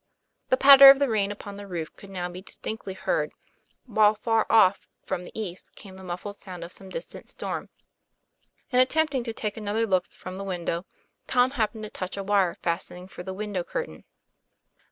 The patter of the rain upon the roof could now be distinctly heard, while far off from the east came the muffled thunder of some distant storm. In attempt ing to take another look from the window, Tom happened to touch a wire fastening for the window curtain.